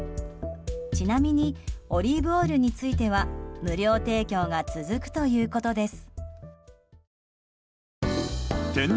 ちなみにオリーブオイルについては無料提供が続くということです。